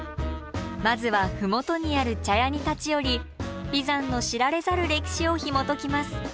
まずは麓にある茶屋に立ち寄り眉山の知られざる歴史をひもときます。